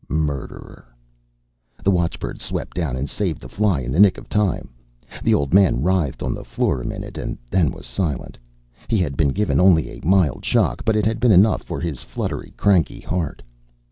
Murderer! The watchbirds swept down and saved the fly in the nick of time. The old man writhed on the floor a minute and then was silent. He had been given only a mild shock, but it had been enough for his fluttery, cranky heart.